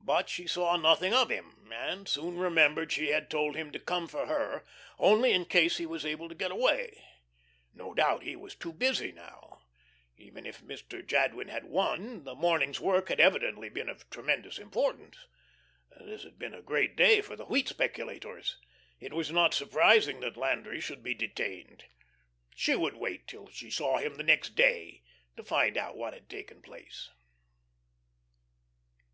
But she saw nothing of him, and soon remembered she had told him to come for her, only in case he was able to get away. No doubt he was too busy now. Even if Mr. Jadwin had won, the morning's work had evidently been of tremendous importance. This had been a great day for the wheat speculators. It was not surprising that Landry should be detained. She would wait till she saw him the next day to find out all that had taken place.